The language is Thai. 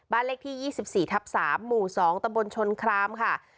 เลขที่๒๔ทับ๓หมู่๒ตำบลชนครามค่ะ